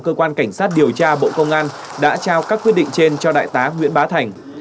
cơ quan cảnh sát điều tra bộ công an đã trao các quyết định trên cho đại tá nguyễn bá thành